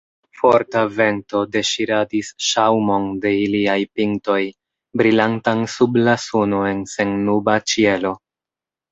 Forta vento deŝiradis ŝaŭmon de iliaj pintoj, brilantan sub la suno en sennuba ĉielo.